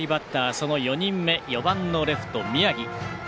その４人目４番レフト、宮城。